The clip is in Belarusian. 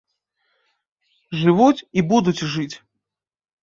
Жывуць і будуць жыць.